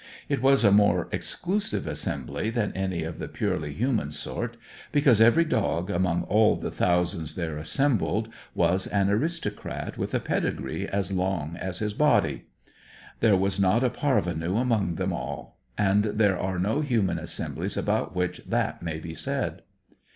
It was a more exclusive assembly than any of the purely human sort, because every dog, among all the thousands there assembled, was an aristocrat with a pedigree as long as his body. There was not a parvenu among them all; and there are no human assemblies about which that may be said.